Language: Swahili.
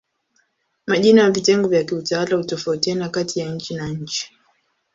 Majina ya vitengo vya kiutawala hutofautiana kati ya nchi na nchi.